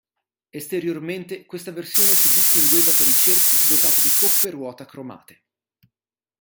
Esteriormente questa versione si distingueva per i cerchi dotati di coppe ruota cromate.